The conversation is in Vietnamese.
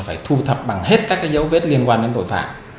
phải thu thập bằng hết các dấu vết liên quan đến tội phạm